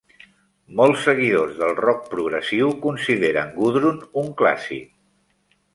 Molts seguidors del rock progressiu consideren "Gudrun" un clàssic.